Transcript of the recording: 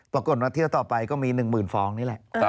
ปรากฏว่าเที่ยวต่อไปก็มี๑๐๐๐ฟองนี่แหละ